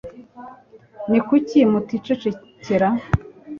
ni kuki muticecekera